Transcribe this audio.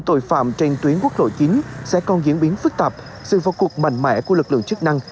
tội phạm trên tuyến quốc lộ chín sẽ còn diễn biến phức tạp sự vào cuộc mạnh mẽ của lực lượng chức năng